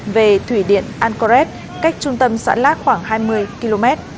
về thủy điện an coret cách trung tâm xã lát khoảng hai mươi km